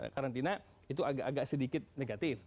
karantina itu agak agak sedikit negatif